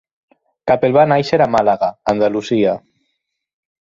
Capel va néixer a Màlaga, Andalusia.